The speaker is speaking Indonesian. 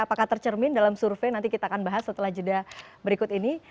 apakah tercermin dalam survei nanti kita akan bahas setelah jeda berikut ini